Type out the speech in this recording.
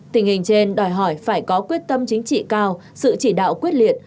tình hình trên đòi hỏi phải có quyết tâm chính trị cao sự chỉ đạo quyết liệt